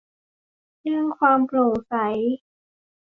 เรื่องความโปร่งใส